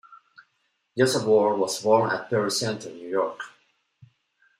Joseph Ward was born at Perry Center, New York.